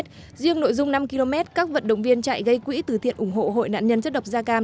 riêng nội dung năm km các vận động viên chạy gây quỹ từ thiện ủng hộ hội nạn nhân chất độc da cam